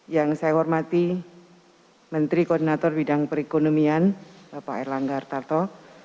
yang saya hormati menteri koordinator bidang perekonomian bapak erlangga artarto